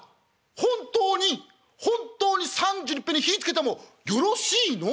本当に本当に３２いっぺんに火ぃつけてもよろしいの？